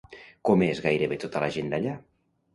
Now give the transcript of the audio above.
Com és gairebé tota la gent d'allà?